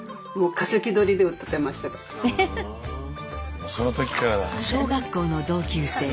もうその時からだ。